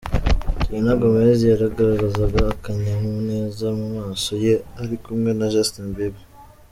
Selena Gomez yagaragazaga akanyamuneza mu maso ye ari kumwe na Justin Bieber.